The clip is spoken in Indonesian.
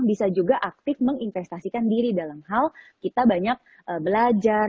bisa juga aktif menginvestasikan diri dalam hal kita banyak belajar